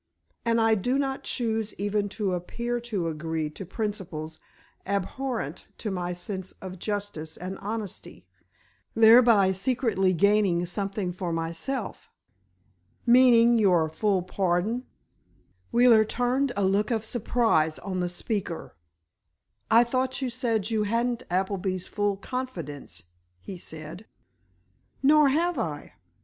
And I do not choose even to appear to agree to principles abhorrent to my sense of justice and honesty, thereby secretly gaining something for myself." "Meaning your full pardon?" Wheeler turned a look of surprise on the speaker. "I thought you said you hadn't Appleby's full confidence," he said. "Nor have I.